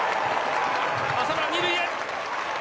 浅村、２塁へ。